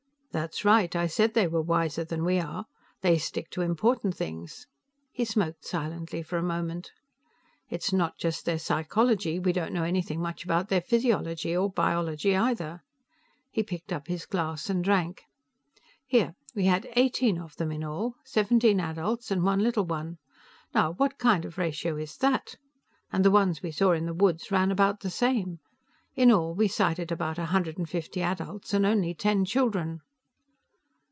"That's right. I said they were wiser than we are. They stick to important things." He smoked silently for a moment. "It's not just their psychology; we don't know anything much about their physiology, or biology either." He picked up his glass and drank. "Here; we had eighteen of them in all. Seventeen adults and one little one. Now what kind of ratio is that? And the ones we saw in the woods ran about the same. In all, we sighted about a hundred and fifty adults and only ten children."